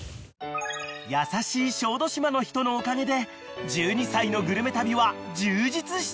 ［優しい小豆島の人のおかげで１２歳のグルメ旅は充実したものに］